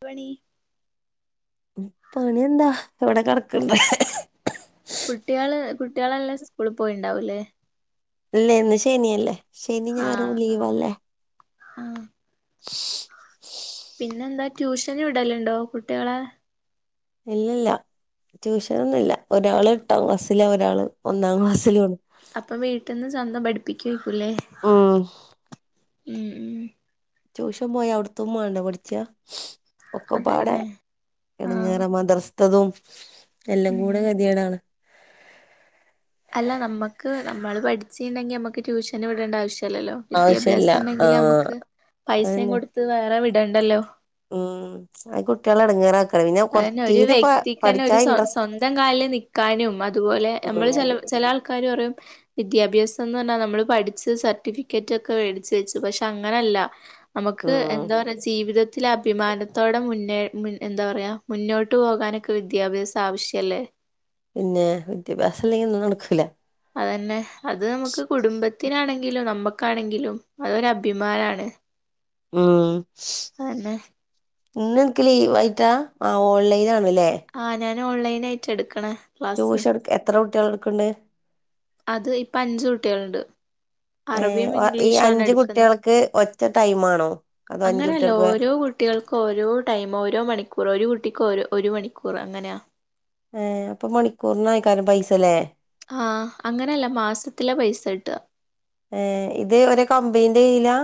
പണി പണി എന്താ ഇവിടെ കിടക്ക്ണ്ട് കുട്ടികള് കുട്ടികളെല്ലാം സ്കൂളിൽ പോയിണ്ടാവല്ലേ. ഇല്ലേന്ന്, ശനിയല്ലേ ശനി ഞായറും ലീവാല്ലേ. ആ ശ് ട്യൂഷന് വിടലുണ്ടോ കുട്ടികളെ..? ഇല്ലല്ല ട്യൂഷന് ഒന്നുല്ല ഒരാള് എട്ടാം ക്ലാസ്സില ഒരാള് ഒന്നാം ക്ലാസ്സിലും ആണ്. അപ്പൊ വീട്ടിൽന്ന് സ്വന്തം പഠിപ്പിക്കുവായിരിക്കൂല്ലേ ഉം ഉം ഉം ട്യൂഷൻ പോയാ അവിടത്തതും വേണ്ടേ പഠിച്ചാ ഒക്കെപ്പാടെ അതന്നെ ആഹ് എടങ്ങേറ മദ്രസ് ത്തതും എല്ലാം ഉം കൂടെ കെതിയെടാണ്. അല്ല നമ്മുക്ക് നമ്മള് പഠിച്ചിട്ടുണ്ടെങ്കി നമുക്ക് ട്യൂഷന് വിടേണ്ട ആവശ്യം ല്ലല്ലോ ആവശ്യല്ല വിദ്യാഭ്യാസം ഉണ്ടെങ്കില് ആഹ് നമുക്ക് പൈസയും അതന്നെ കൊടുത്ത് വേറെ വിടണ്ടല്ലോ. ഉം ആ കുട്ടികളെ എടങ്ങേറാ അതന്നെ ഒരു വ്യക്തിക്ക് തന്നെ ഒരു ഇൻട്രസ്റ്റ് സ്വന്തം കാലിൽ നിൽക്കാനും അതുപോലെ നമ്മള് ഉം ചേൽ - ആൾക്കാരും പറയും ല വിദ്യാഭ്യാസം എന്ന് പറഞ്ഞാൽ നമ്മള് പഠിച്ച് സർട്ടിഫിക്കറ്റ് ഒക്കെ മേടിച്ച് വെച്ചു പക്ഷെ അങ്ങനല്ല... നമുക്ക് ഉം എന്താ പറയാ ജീവിതത്തിലെ അഭിമാനത്തോടെ മുന്നേ എന്താ പറയാ മുന്നോട്ട് പോകാനൊക്കെ വിദ്യാഭ്യാസം ആവശ്യല്ലേ..? പിന്നെ വിദ്യാഭ്യാസം ഇല്ലെങ്കിൽ ഒന്നും നടക്കൂല്ല. അതന്നെ അത് നമുക്ക് കുടുംബത്തിനാണെങ്കിലും നമ്മക്കാണെങ്കിലും അതൊരഭിമാനാണ്. ഉം ഇന്ന് നിൻക്ക് ലീവായിട്ടാ ആ ഓൺലൈന് ആണല്ലേ ഞെ ഓൺലൈനായിട്ട എടുക്കണേ ട്യൂഷൻ എടുക്കാൻ എത്ര കുട്ടികള് എടുക്കണ്ട്? അത് ഇപ്പ അഞ്ചു കുട്ടികളുണ്ട് ഏ അറബിയും ഒ- ഈ ഇംഗ്ലീഷാണ് അഞ്ച് എടുക്കുന്നത് കുട്ടികൾക്ക് ഒറ്റ ടൈം ആണോ അതോ അഞ്ച് അങ്ങനെയല്ല കുട്ടികൾക്ക് വേറെ ഓരോ വീട്, കുട്ടികൾക്ക് ഓരോ ടൈം ഓരോ മണിക്കൂർ ഒരു കുട്ടിക്ക് ഒരു മണിക്കൂർ അങ്ങനെയാ ഏഹ് അപ്പൊ മണിക്കൂറിനക്കേരം പൈസല്ലെ? ആഹ് അങ്ങനെയല്ല മാസത്തില പൈസ ഇട്ടുക ഏഹ് ഇത് ഒര് കമ്പനീന്റെ കീഴിലാ..?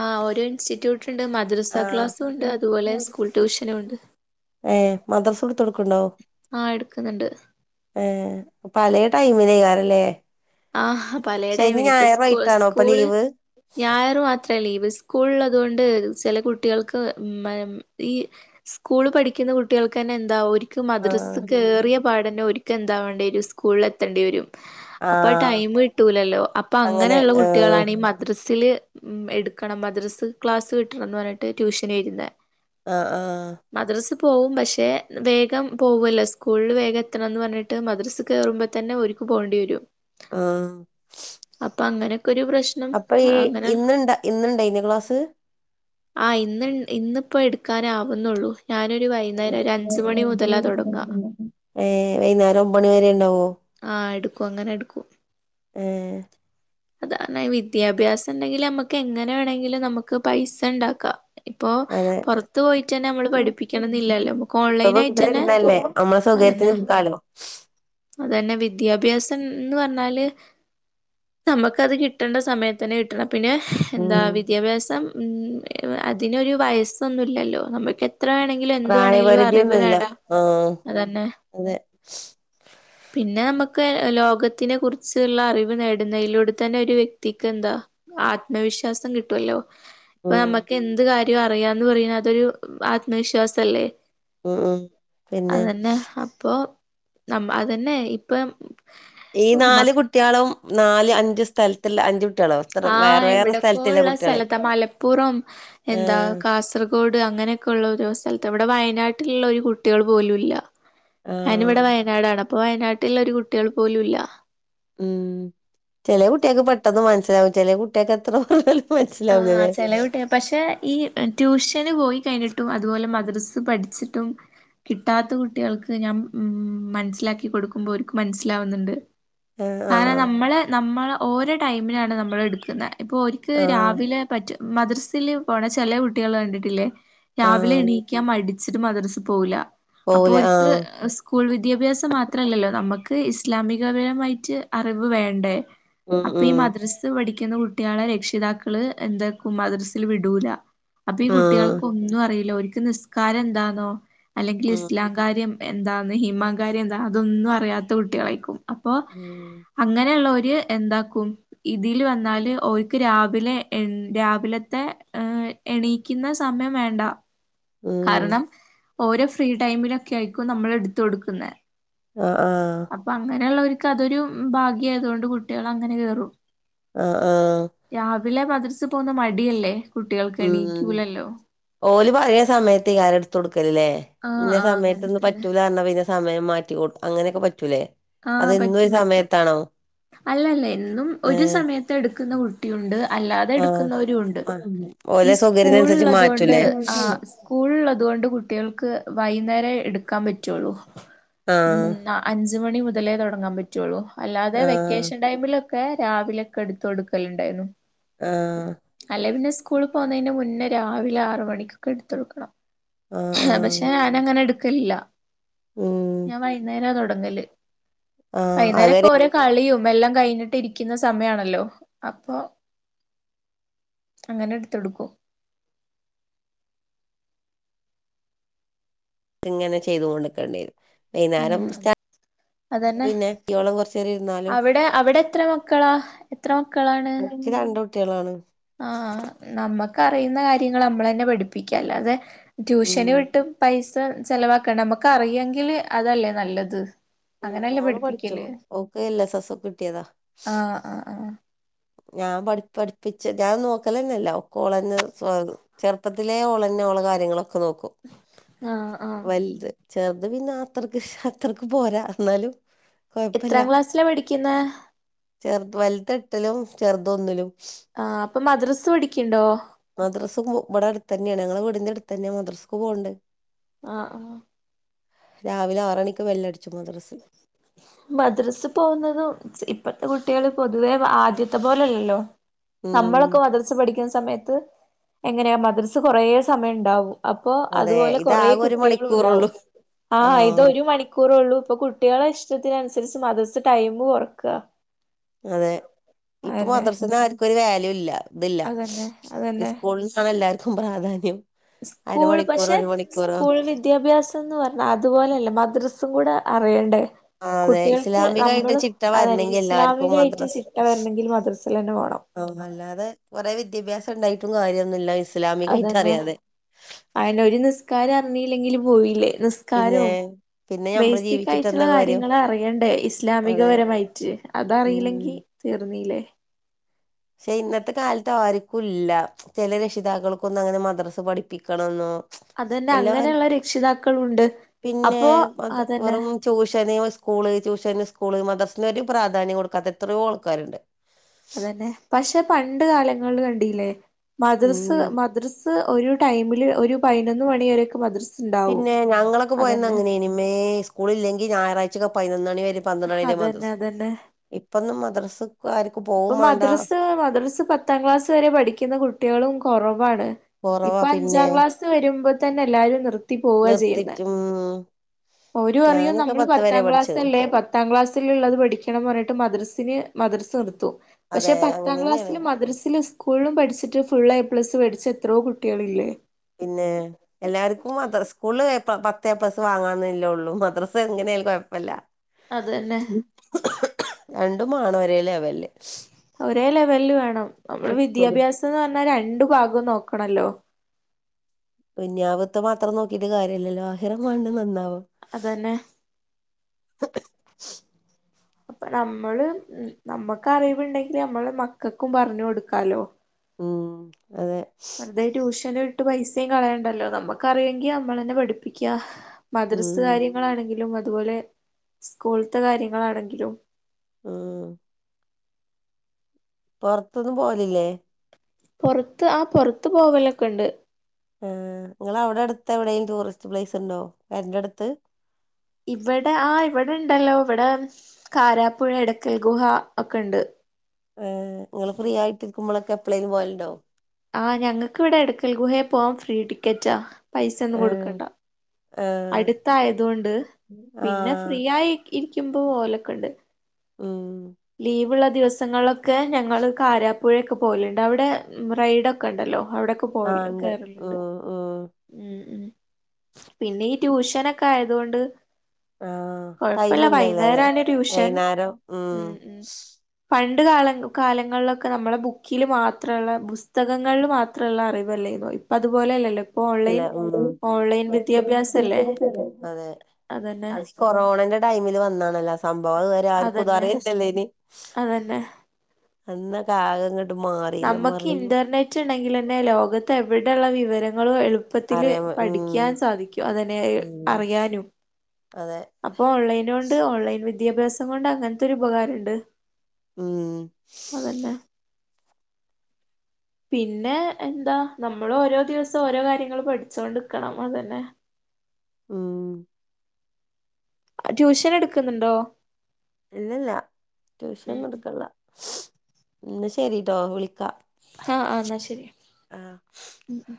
ആ ഓരോ ഇൻസ്റ്റിറ്റ്യൂട്ട് ഉണ്ട് ആ മദ്രസ ക്ലാസ്സും ഉണ്ട് അതുപോലെ സ്കൂൾ ട്യൂഷനും ഉണ്ട് ഏഹ് മദ്രസുടുത്ത് കൊടുക്കണ്ടാവോ ആഹ് എടുക്കുന്നുണ്ട് ഏഹ് അപ്പ പല ടൈമ ന്യാറല്ലേ ആഹ് പല ടൈം ഇപ്പ സ്കൂ ആയിട്ടാണോ ഇപ്പൊ സ്കൂള് ലീവ് ഞായറും അത്ര ലീവ് സ്കൂള് ള്ളത്കൊണ്ട് ചില കുട്ടികൾക്ക് ഈ സ്കൂള് പഠിക്കു കുട്ടികൾക്ക് തന്നെ എന്താ ആ മദ്രസ് കയറിയ പാടന്നെ ഒരിക്കും എന്താാവേണ്ടേ ഒരു സ്കൂളിൽ എത്തേണ്ടി വരും ആ അപ്പൊ ടൈം കിട്ടൂലല്ലോ അപ്പൊ അങ്ങനെ അങ്ങനെയുള്ള ആ കുട്ടികളാണ് ഈ മദ്രസ് സ്ൽ എടുക്കണം മദ്രസ് ക്ലാസ് കിട്ടണം എന്ന് പറഞ്ഞിട്ട് ട്യൂഷന്‌ വരുന്ന ആഹ് ആഹ് പോകും പക്ഷെ വേഗം പോകല്ല സ്കൂളിൽ വേഗം എത്തണം എന്ന് പറഞ്ഞിട്ട് മദ്രസ് കയറുമ്പോ തന്നെരിക്ക പോണ്ടി വരും ആ അപ്പൊ അങ്ങനെ ഒരു പ്രശ്നം അപ്പൊ ഈ അങ്ങനെ ഇന്നുണ്ട ഇന്നുണ്ടായിനോ ക്ലാസ് ആഹ് ഇന്ന് ഇന്നിപ്പോ എടുക്കാനാവുന്നുള്ളൂ ഞാനൊരു വൈകുന്നേരം ഒരു അഞ്ച് മണി മുതലാ തുടങ്ങ ഏഹ് വൈകുന്നേരം ഒമ്പണിവ വരെ ഉണ്ടാവോ ആഹ് എടുക്കും അങ്ങനെ എടുക്കും ഉം അതാണ വിദ്യാഭ്യാസം ഉണ്ടെങ്കിൽ നമ്മുക്ക് എങ്ങനെ വേണമെങ്കിലും നമുക്ക് പൈസ ഉണ്ടാക്കാം ഇപ്പൊ അതെ പുറത്ത് പോയിട്ട് തന്നെ നമ്മള് പഠിപ്പിക്കണംന്നില്ലല്ലോ ഓൺലൈൻ ആയിട്ട് തന്നെ അതന്നെ നേരത്തിന് നിക്കാലോ അതന്നെ വിദ്യാഭ്യാസം എന്ന് പറഞ്ഞാല് നമ്മുക്കത് കിട്ടണ്ട സമയത്തന്നെ കിട്ടണം പിന്നെ എന്താ ഉം വിദ്യാഭ്യാസം അതിനൊരു വയസ്സൊന്നുമില്ലല്ലോ നമുക്ക് എത്ര വേണെങ്കിലും എന്തു വേണെങ്കിലും അറിവ് പ്രായപരിധിയൊന്നുല്ല നേടാം ആ അതന്നെ അതെ പിന്നെ പിന്നെ നമുക്ക് ലോകത്തിനെ കുറിച്ചുള്ള അറിവ് നേടുന്നതിലൂടെ തന്നെ ഒരു വ്യക്തിക്ക് എന്താ ആത്മവിശ്വാസം കിട്ടുമല്ലോ ഇപ്പൊ ഉം നമ്മുക്ക് എന്ത് കാര്യം അറിയാന്ന് പറയ അതൊരു ആത്മവിശ്വാസ അല്ലേ ഉം ഉം പിന്നെ അതന്നെ അപ്പൊ നമ്മ അതന്നെ ഇപ്പൊ ഈ നാല് കുട്ടികളും നാല് അഞ്ച് സ്ഥലത്തി അഞ്ച് കുട്ട്യാളോ എത്ര വേറെ ആഹ് വേറെ സ്ഥലത്തില്ല ഇവിടെക്കള്ള കുട്ട്യാളെ സ്ഥലത്തെ മലപ്പുറം ആ എന്താ കാസർഗോഡ അ അങ്ങനൊക്കെയ ഉള്ള ഒരു സ്ഥത്ത്വിടെ ഇടെ വയനാട്ടിലുള്ള ഒരു കുട്ടികൾ പോലുംല്ല ആ ഞാന ഇവിടെ വയനാടാണ് ഇപ്പൊ വയനാട്ടുള്ള ഒരു കുട്ടികൾ പോലുംല്ല ഉം ചെില കുട്ടിയക്ക് പെട്ടെന്ന് മനസ്സിലാവും ചെ കുട്ടികക്ക്െ എത്ര പറ ആഹ ചെില കട്ടിയ പക്ഷെ ഈ ട്യൂഷന് പോയി കഴിഞ്ഞിട്ട് അതുപോലെ മ്ര പഠിച്ചിട്ടും കിട്ടാത്ത കുട്ടികൾക്ക് ഞാൻ ഉ മനസിലാക്ക കൊടുക്കുമ്പോ അവക്ക് മനസ്സിലാവുന്നുണ്ട് ആ ആ കാരണം നമ്മള് നമ്മള് ഓരോ ടൈമിനാണ് നമ്മൾ എടുക്കുന്നത് ഇപ്പൊ ഒക്ക് ആ രാവെ മദ്രസൽ പോണ ചില കുട്ടികൾ കണ്ടിട്ടില്ലേ ആ രാവിലെ എണീക്കാൻ മ ിട്ട് മദ്ര പോവില്ല അപ്പൊ പോവൂല ആ ഒക്ക് സ്കൂൾ വിദ്യാഭ്യാസം മാത്രല്ലല്ലോ നമുക്ക് ഇസ്ലാമികപരമായിട്ട് അറിവ് വേണ്ടേ ഉം അപ്പൊ ഈ ഉം മദ്രസ് പഠിക്ക ുന്ന കുട്ടികളെ രക്ഷിതാക്കള് എന്താ മദ്രസിൽ വിടൂല അപ്പൊ ഈ ആഹ് കുട്ടികൾക്ക് ഒന്നും അറിയില്ലോ ഒരിക്ക നിസ്കാരം എന്താന്നോ അല്ലെങ്കിൽ ഉം ഇസ്ലാംകാര്യം എന്താന്ന് ഹിമാകാരി എന്താ അതൊന്നും അറിയാത്ത കുട്ടികളായിക്കും അപ്പൊ അങ്ങനെയുള്ള ഒരു എും ഇതിൽ വന്നല് ഓക്ക് രാവിലെ എ രാവിലത്തെ ഏർ എണീക്കുന്ന സമയം വേണ്ട ആഹ കാരണം ഓരോ ഫ്രീ ടൈമിലൊക്കെ ആയിരിക്കും നമ്മൾ എടുത്ത കൊടുക്കുന്നത് ആഹ് ആഹ് അപ്പൊ അങ്ങനെയുള്ളവർക്ക് അതൊരു ഭാഗ്യയതൊണ്ട് കുട്ടികൾ അങ്ങനെ കേയറും ആഹ് ആഹ് രാവിലെ മദ്‌റസേ പോവുന്നേ മടിയല്ലേ? കുട്ടികൾക്ക് ഉം എണീക്കൂലല്ലോ ഓല് പലെ സമയത്ത് ക്കാരുംഎടുത്ത് കൊടുക്കല്ലേ. ആഹ് ഇന്ന ആഹ് അങ്ങനെ സമയത്തൊന്നും തന്നെ പറ്റൂല്ലറഞ്ഞ പിന്നെ സമയം മാറ്റും അങ്ങനെയൊക്കെ പറ്റൂലേ? അത് എന്നുംരു സമയത്താണോ? അല്ല അല്ല എന്നും ഒരു ഏഹ് സമയത്ത് എടുക്കുന്ന കുട്ടിയുണ്ട് അല്ലാതെ ആഹ് എടുക്കുന്നവരു ഉണ്ട്. ആഹ് ഈ ഓലെ സ്കൂൾ സൗകര്യത്തിനനുസരിച്ച് ഉള്ളത് കൊണ്ട് മാറ്റൂലേ ആ സ്കൂളോള്ളത് കൊണ്ട് കുട്ടികൾക്ക് വൈകുന്നേരം എടുക്ക ക്കാൻ പറ്റുള്ളൂ. ആഹ് ഉം അഞ്ച് മണി മുതലേ തുടങ്ങാൻ പറ്റുള്ളൂ. അല്ലാതെ ആഹ് വെക്കേഷൻ ടൈമിലൊക്കെ രാവിലെക്കെ എടുത്ത്കൊടുക്കലു ണ്ടായിരുന്നു. ആഹ അലങ്കി പിന്നെ സ്കൂൾ പോകുന്നതിന് മുന്നേ രാവിലെ ആറ് മണിക്കൊക്കെ എടുത്തൊടുക്കണം. ആഹ് ആഹ് പക്ഷെ ഞാന അങ്ങനെ എടുക്കലില്ല. ഉം ഞാൻ വൈകുന്നേരം തൊ ടങ്ങല് ആഹ് വൈുന്നേരക്കെ അതുവരെ ഓരോ കളിയും എല്ലാം കഴിഞ്ഞിട്ട് ഇരിക്കുന്ന സമയണല്ലോ അപ്പൊ അങ്ങനെ എടുത്ത്ടുക്കും ഇങ്ങനെ ചെയ്തൊണ്ടിക്കേണ്ടരും വൈകുന്നേരം ഉം സ്റ്റാ അതന്നെ പിന്നെ കുട്ട്യോളും കൊറച്ചേരം ഇരുന്നാലും അവിടെ അവിടെ എത്ര മക്കളാ എത്ര മക്കളാണ് ഇച്ച് രണ്ട് കുട്ടികളാണ്. ആഹ നമ്മുക്ക് അറിയുന്ന കാര്യങ്ങൾ നമ്മളന്നെ പഠിപ്പിക്കല്ലാതെ ഉം ട്യൂഷന് വിട്ടും പൈസ ചെലവാക്കണം നമ്മുക്ക് അറിയെങ്കില് അതല്ലേ നല്ലത് ഉം അങ്ങനല്ലേ ഓള് പഠിച്ചു പഠപ്പിക്കല് ഓക്ക് എൽ എസ് എസ് ഒക്കെ കിട്ടിയതാ ആഹ ആഹ ആഹ ഞാൻ പ പഠിപ്പിച്ച് ഞാൻ നോക്കലന്നല്ല ഒക്കളന്നെ സ്വ ചെറുപ്പത്തിലെ ഓളന്നെ കാര്യങ്ങളൊക്കെ നോക്കും ആഹ് ആഹ് വലുത് ചെറുത് പിന്നെ അത്രക്ക് അത്രക്ക് പോരാ എന്നാലും എത്രാം ക്ലാസ്സിലാ പഠിക്കുന്നേ ചെറു വലത് എട്ടിലും ചെറുതൊന്നിലും ആ അപ്പൊ മദ്രസ് പടിക്കണ്ടോ മദ്രസും ഇവിടെ അടുത്ത തന്നെയാ ഞങ്ങളെ വീടിന്റെ അടുത്ത തന്നെയാ മദ്രസക്ക് പോകണ്ട്. ആ ആ രാവിലെ ആറണിക്ക് വെല്ലടിച്ചും മദ്രസിൽ [unintelligible] മദ്രസ് പോകുന്നത ഇപ്പത്തെ കുട്ടികൾ പൊതുവേ ആദ്യത്തെ പോലെല്ലല്ലോ ഉം നമ്മളൊക്കെ മദ്രസ് പഠിക്കുന്ന സമയത്ത് എങ്ങനെയാ മദ്രസ് കുറെ സമയം ഉണ്ടാവും അപ്പോ അതെ അതുപോലെ കൊറെ ഇതാകെ ഒരു കുട്ടികള മണിക്കൂറുള്ളൂ ഉണ്ടാവും ആ ഇത് ആഹ് ഒരു മണിക്കൂറള്ളൂ. ഇപ്പൊ കുട്ടികളെ ഇഷ്ടത്തിന അനുസരിച്ച് മദ്റസ് ടൈംമ് കൊറക്കുക. അതെ ഇപ്പൊ മദ്രസന്ന ആർക്കും ഒരു വാല്യൂ ഇല്ല. ഇതില്ല അതന്നെ അതന്നെ സ്കൂളസാണ് എല്ലാർക്കും പ്രാധാന്യം. സ്കൂൾ അരമണിക്കൂറോ പക്ഷെ ഒരു മണിക്കൂറോ സ്കൂൾ വിദ്യാഭ്യാസം എന്ന് പറഞ്ഞ അതുപോലെല്ല മദ്രസും കൂടെ അറിയണ്ടേ ആ അതെ കുട്ടികൾക്ക് ഇസ്ലാമികായിട്ട് നമ്മള് ചിട്ട അതെ വരണെങ്കി എല്ലാർക്കും ഇസ്ലാമികായിട്ട് ചിട്ട വരണെങ്കിൽ മദ്രസൽ തന്നെ പോണം. ഓ അല്ലാതെ കൊറെ വിദ്യാഭ്യാസം ഉണ്ടായിട്ടും കാര്യമൊന്നുമില്ലാ. അതന്നെ അയിന ഒരു നിസ്കാരം അറിങ്ങയില്ലെങ്കില് പോയില്ലേ പിന്നെ നിസ്കാരും പിന്നെ ഞമ്മള് ബേസിക് ജീവിച്ചിട്ട് ആയിട്ടുള്ള എന്താ കാര്യം കാര്യങ്ങ അറിയണ്ടേ അതെ ഇസ്ലാമികപരമായിട്ട് ഉം അതറിയില്ലെങ്കിൽ തീർന്നീല്ലേ. പക്ഷെ ഇന്നത്തെ കാലത്ത് ആർക്കും ഇല്ല ചില രക്ഷിതാക്കൾക്കൊന്നും അങ്ങനെ മദ്രസ് പഠിപ്പിക്കണംന്നൊ അതന്നെ അങ്ങനെയുള്ള രക്ഷിതാക്കളുണ്ട്. പിന്നെ അപ്പോ മ അതന്നെ വെറും ട്യൂഷന് സ്കൂള് ട്യൂഷന് സ്കൂള് മദ്‌റ രു പ്രാധാന്യം കൊടുക്കാത്ത എത്രയോ ആൾക്കാരുണ്ട്. അതന്നെ പക്ഷെ പണ്ട് കാലങ്ങളിൽ കണ്ടില്ലേ മദ്രസ് ഉം മദ്രസ് ഒരു ടൈമില് ഒരു പതിനൊന്ന് മണിയരക്കെ മദർസ് പിന്നെ ഞങ്ങളൊക്കെ പോയന്ന അങ്ങനെ ഇമേ സ്കൂള ഇില്ലെങ്കിൽ ഞായറാഴ്ചക്കെ പതിനൊന്ന് മണി വരെ പന്ത്ര അതന്നെ മദ്രസ് അതന്നെ ഇപ്പൊന്നും മദ്രസക്ക് ആർക്കും ഇപ്പൊ പോവും വേണ്ട മദ്രസ് മദ്രസ് പത്താം ക്ലാസ് വരെ പഠിക്കുന്ന കുട്ടികളും കുറവാണ് കൊറവാ ഇപ്പൊ പിന്നെ അഞ്ചാം ക്ലാസ് വരുമ്പോ തന്നെ എല്ലാരും നിർത്തി പോവ ചെയ്യുന്ന നിർത്തിട്ടും ഒരു അറിയും ഞാനൊക്കെ നമ്മള് പത്ത് വരെ പത്താം പഠിച്ചത് ക്ലാസ്ല്ലേ പത്താം ക്ലാസ്സൽള്ളത് പഠിക്കണംന്ന് പറഞ്ഞിട്ട് മദ്രസിന് മദ്രസ് നിർത്തു പക്ഷെ അതെ പത്താം അങ്ങനെന്നെയാണ് ക്ലാസ്സിില് മദ്രസൽ സ്ക് സ്കൂളിലും പഠിച്ചിട്ട് ഫുൾ ഐ പ്ലസ് പഠിച്ച എത്രോ കുട്ടികളില്ലേ പിന്നെ എല്ലാർക്കും അത്ര സ്കൂള് പത്തേ പ്ലസ് വാങ്ങാന്നില്ലേള്ളൂ മദ്ര എങ്ങനെയാലും കുഴപ്പമില്ല അതന്നെ രണ്ടും മണഓരെ ലെവല്ല് ഒരേ ലെവലിൽ വേണം നമ്മുടെ വിദ്യാഭ്യാസം എന്ന് ര ണ്ടു ഭാഗം നോക്കണല്ലോ ദുന്യവിതെ മാത്രം നോക്കിട്ട് കാര്യമല്ലല്ലോ അതന്നെ [unintelligible] നന്നാവ് അപ്പൊ നമ്മള് ഉ നമ്മുക്ക് അറിവുണ്ടെങ്കിൽ നമ്മള് മക്കൾക്കും പറഞ്ഞു കൊടുക്കാലോ ഓ വെറുതെ ട്യൂഷനും ഇട്ട് പൈസയും കളയണ്ടല്ലോ നമ്മുക്കറിയുമെങ്കിൽ നമ്മളെന്നെ പഠിപ്പിക്കാ മദ്രസ് ഉം കാര്യങ്ങളാണെങ്കിലും അതുപോലെ സ്കൂളത്തെ കാര്യങ്ങളാണെങ്കിലും ആഹ പുൊറത്തൊന്ന പോലില്ലേ പുൊറത്ത് ആ പുൊറത്ത് പോവലൊക്കെണ്ട് ആ നിങ്ങ അവിടെ അടുത്ത് എവിടെേും ടൂറിസ്റ്റ് പ്ലേസ് ഉണ്ടോ പേരന്റെ അടുത്ത് ഇവ്ടെ ആ ഇവിടെ ഇണ്ടല്ലോ ഇവിടെ കാരാപ്പുഴ, എടക്കൽ ഗുഹ, ഒക്കെണ്ട് ഏ ങ്ങള് ഫ്രീ ആയിട്ടിരിക്കുബളൊക്കെ എപ്പളേലും പോവല്ണ്ടോ? ആ ഞങ്ങക്കിവ്ടെ എടക്കൽ ഗുഹെ പോവാൻ ഫ്രീ ടിക്കറ്റാ പൈസന്നും ഏഹ് കൊടുക്കണ്ട ഏഹ് അട്ത്തായതോണ്ട് പിന്നെ ആഹ് ഫ്രീ ആയി ഇരിക്യുമ്പോ പോലൊക്കെണ്ട് ആ ലീവ്ള്ളത് ദിവസങ്ങളൊക്കെ ഞങ്ങള് കാരാപ്പുഴൊക്കെ പോല്ണ്ട് അവിടെ റൈഡൊക്കെണ്ടല്ലോ അവിടൊക്കെ ആഹ് പോല് ഇണ്ട് ഉം കേറലണ്ട് ഉം ഉ ഉ പിന്നെ ഈ ട്യൂഷനൊക്കെ ആയത് കൊണ്ട് ആ ടൈമ് ഇല്ലല്ലലെ ട്യൂഷൻ വൈന്നാരം ഉം പണ്ട് കാല കാലങ്ങളൊക്കെ നമ്മളെ ബുക്കില് മാത്രള്ള പുസ്തകങ്ങള്ള് മാത്രള്ള അറിവെല്ലെന്നോ ഇപ്പതുപോലെയല്ലല്ലോ അല്ല ഉം വിദ്യാഭ്യാസല്ലേ [unintelligible] അതെ അതന്നെ അത് കൊറോണന്റെ ടൈമില് വന്നാണല്ലോ ആ സംഭവം അത്‌വരെ ആർക്കും ഇത് അതന്നെ അറിയനെല്ലേനി അതന്നെ അന്ന ക ആകങ്ങ നമ്മ്ക്ക് ഇന്റർനെറ്റ് ഇണ്ടെങ്കിലെന്നെ ലോകത്ത് എവിടെള്ള വിവരങ്ങളും എള് എള്പ്പത്തില് അറിയാൻ വ- ഉം പഠിക്യാൻ സാധിക്കും അതിനെ ഉം അറിയാനും അതെ അപ്പൊ ഓൺലൈനോണ്ട് ഓൺലൈൻ വിദ്യാഭ്യാസം കൊണ്ട് അങ്ങനത്തൊരു ഉപകാരണ്ട് ഉം അതന്നെ [inaudible] പിന്നെ എന്താ നമ്മൾ ഓരോ ദിവസം ഓരോ കാര്യങ്ങൾ പഠിച്ചുകൊണ്ട്ിരിക്കണം അതന്നെ മ് ട്യൂഷനെട്ക്ക്ന്ന്ണ്ടോ ഇല്ലല്ല ട്യൂഷൻ കൊട്ക്ക്ല്ല എന്ന ശരീട്ടോ വിളിക്കാ ആ ആ എന്നാ ശരി ആഹ് മ്